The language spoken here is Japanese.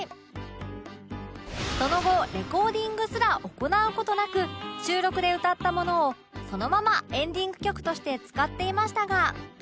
その後レコーディングすら行う事なく収録で歌ったものをそのままエンディング曲として使っていましたが